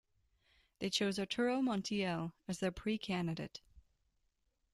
They chose Arturo Montiel as their pre-candidate.